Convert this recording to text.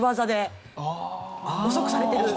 遅くされてる。